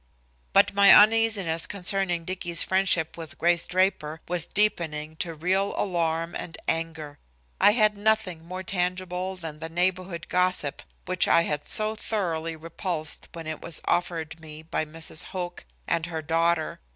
But my uneasiness concerning Dicky's friendship with Grace Draper was deepening to real alarm and anger. I had nothing more tangible than the neighborhood gossip, which I had so thoroughly repulsed when it was offered me by Mrs. Hoch and her daughter.